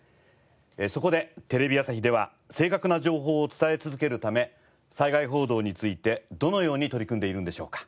そこでテレビ朝日では正確な情報を伝え続けるため災害報道についてどのように取り組んでいるんでしょうか。